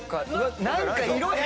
何か色変！